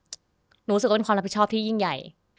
หนูรู้สึกว่าเป็นความรับผิดชอบที่ยิ่งใหญ่